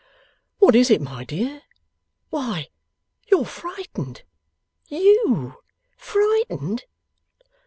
'What is it, my dear? Why, you're frightened! YOU frightened?